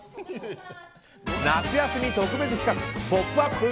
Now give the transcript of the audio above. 夏休み特別企画「ポップＵＰ！」